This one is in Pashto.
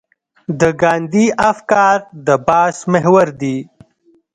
د ګاندي افکار د بحث محور دي.